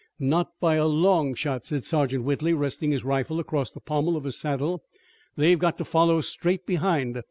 "Not by a long shot," said Sergeant Whitley, resting his rifle across the pommel of his saddle. "They've got to follow straight behind.